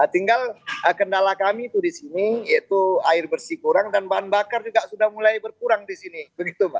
tinggal kendala kami itu di sini yaitu air bersih kurang dan bahan bakar juga sudah mulai berkurang di sini begitu mbak